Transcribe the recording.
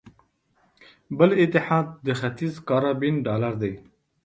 بل اتحاد د ختیځ کارابین ډالر دی.